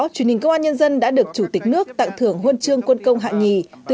truyền hình công an nhân dân đã được chủ tịch nước tặng thưởng huân chương quân công hạng nhì